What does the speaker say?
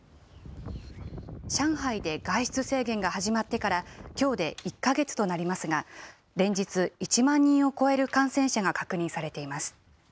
上海で外出制限が始まってからきょうで１か月となりますが連日１万人を超える感染者が確認されています。